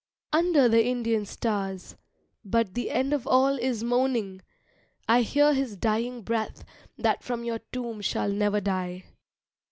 Under the Indian stars But the end of all is moaning! I hear his dying breath that from Your Tomb shall never die.